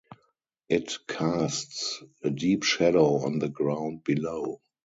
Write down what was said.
It casts a deep shadow on the ground below.